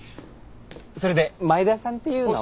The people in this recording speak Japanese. それで前田さんっていうのは？